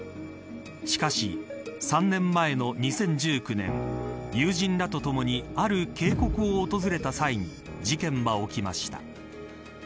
しかし３年前の２０１９年友人らとともにある渓谷を訪れた際に事件は起きました。